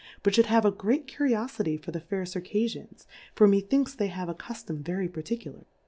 ^ but fliould have a great Curiofity for the i^iv Circa ijiafis:^ tor methinksthey have a Cuftom very particular.